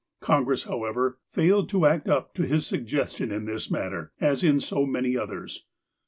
Congress, however, failed to act up to his suggestion in this matter, as in so many others.